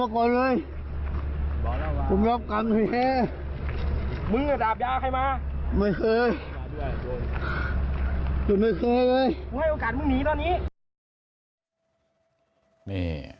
กูไม่เคยเลยมึงให้โอกาสมึงหนีตอนนี้